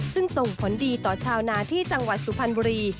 ซึ่งส่งผลดีต่อชาวนาที่จังหวัดสุพรรณบุรี